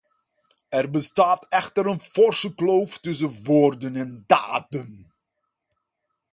Er bestaat echter een forse kloof tussen woorden en daden.